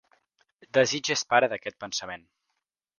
Desig és pare d'aquest pensament